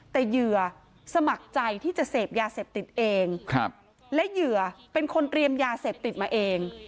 แต่เหยื่อสมัครใจที่จะเสพยาเสพติดเองและเหยื่อเป็นคนเตรียมยาเสพติดมาเอง